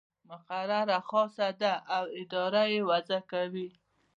مقرره خاصه ده او اداره یې وضع کوي.